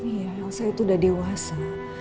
iya elsa itu udah dewasa